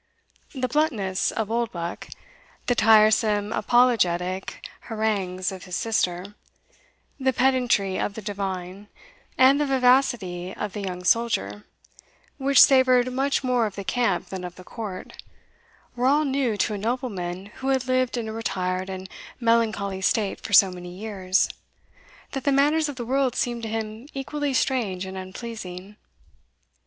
The bluntness of Oldbuck, the tiresome apologetic harangues of his sister, the pedantry of the divine, and the vivacity of the young soldier, which savoured much more of the camp than of the court, were all new to a nobleman who had lived in a retired and melancholy state for so many years, that the manners of the world seemed to him equally strange and unpleasing.